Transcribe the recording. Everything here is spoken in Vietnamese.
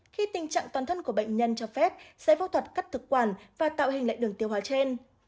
khi tình trạng toàn thân của bệnh nhân cho phép sẽ phẫu thuật cắt thực quản và tạo hình lại đường tiêu hóa trên